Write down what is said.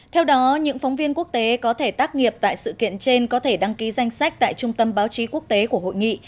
theo đó những phóng viên quốc tế có thể tác nghiệp tại sự kiện trên có thể đăng ký danh sách tại trung tâm báo chí quốc tế của hội nghị